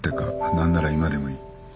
何なら今でもいい。